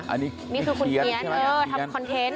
อันนี้คุณเคียนทำคอนเทนต์